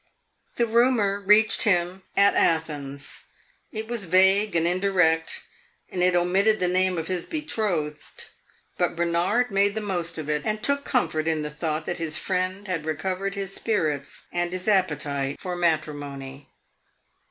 The rumor reached him at Athens; it was vague and indirect, and it omitted the name of his betrothed. But Bernard made the most of it, and took comfort in the thought that his friend had recovered his spirits and his appetite for matrimony.